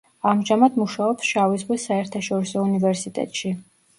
ამჟამად მუშაობს შავი ზღვის საერთაშორისო უნივერსიტეტში.